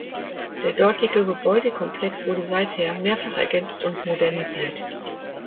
Der dortige Gebäudekomplex wurde seither mehrfach ergänzt und modernisiert.